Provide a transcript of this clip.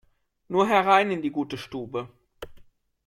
Nur herein in die gute Stube!